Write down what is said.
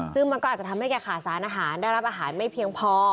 ซึ่งมันก็อาจจะทำให้แกขาดสารอาหารได้รับอาหารไม่เพียงพอ